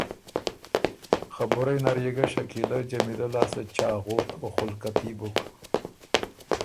خبُرئ نر يې ګۀ شکیلۀ جمیلۀ لاسته چاغوت او خُلکتي بُک۔